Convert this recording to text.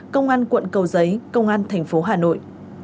công an quận cầu giấy công an thành phố hà nội